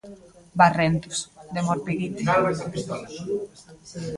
Barrentos, de Morpeguite.